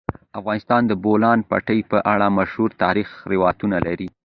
افغانستان د د بولان پټي په اړه مشهور تاریخی روایتونه لري.